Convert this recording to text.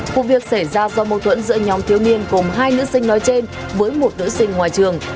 cụ việc xảy ra do mâu thuẫn giữa nhóm thiếu niên cùng hai nữ sinh nói trên với một nữ sinh ngoài trường